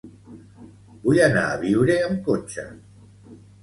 Vull anar a Biure amb cotxe.